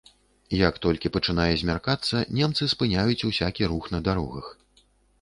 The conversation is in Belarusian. Як толькі пачынае змяркацца, немцы спыняюць усякі рух на дарогах.